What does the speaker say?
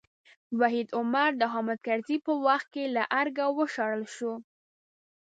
وحید عمر د حامد کرزي په وخت کې له ارګه وشړل شو.